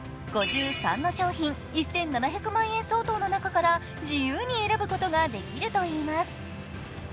５３の商品、１７００万円相当の中から自由に選ぶことができるといいます。